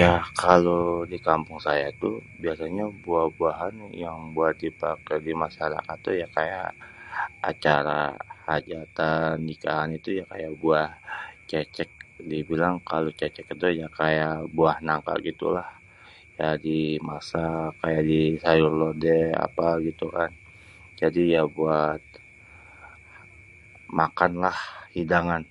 Ya kalau di kampung saya tuh biasanya buah-buahan yang buat dipakai di masyarakat tuh kaya, acara hajatan nikahan tuh ya kaya buah-buah cécék dibilang kalau cécék tuh ya kaya buah nangka gitu lah, kaya dimasak, kaya di sayur lodeh, apa gitu kan. Jadi ya buat makan lah hidangan.